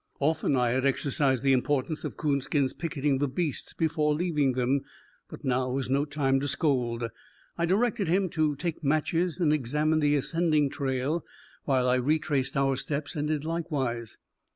Often had I exercised the importance of Coonskin's picketing the beasts before leaving them, but now was no time to scold. I directed him to take matches and examine the ascending trail, while I retraced our steps and did likewise.